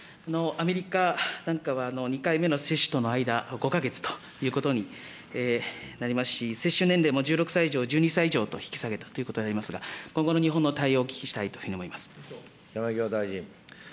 アメリカなんかは、２回目の接種との間、５か月ということになりますし、接種年齢も１６歳以上、１２歳以上と、引き下げということでありますが、今後の日本の対応をお聞きしたいというふう山際大臣。